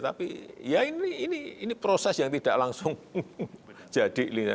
tapi ya ini proses yang tidak langsung jadi